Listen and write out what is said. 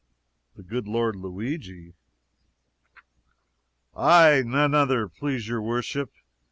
"The good Lord Luigi?" "Aye, none other, please your worship.